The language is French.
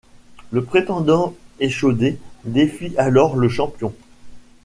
Le prétendant échaudé défie alors le champion.